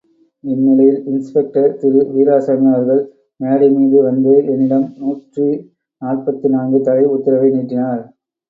இந்நிலையில் இன்ஸ்பெக்டர் திரு வீராசாமி அவர்கள் மேடைமீது வந்து என்னிடம் நூற்றி நாற்பத்து நான்கு தடை உத்தரவை நீட்டினார்.